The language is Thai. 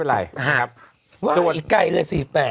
อีกใกล้เลย๔๘